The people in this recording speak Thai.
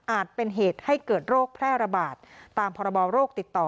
เป็นเหตุให้เกิดโรคแพร่ระบาดตามพรบโรคติดต่อ